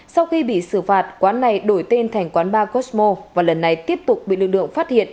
sau khi bị xử phạt quán này đổi tên thành quán bar cosmo và lần này tiếp tục bị lực lượng phát hiện